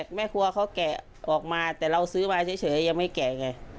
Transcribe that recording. แม่ครัวเขาแกะออกมาแต่เราซื้อมาเฉยยังไม่แกะไง